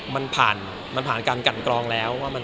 มันผ่านการกันกรองแล้ว